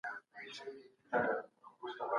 احمد شاه ابدالي ولي بېرته کندهار ته راستون سو؟